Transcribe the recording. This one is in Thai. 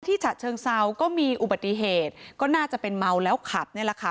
ฉะเชิงเซาก็มีอุบัติเหตุก็น่าจะเป็นเมาแล้วขับนี่แหละค่ะ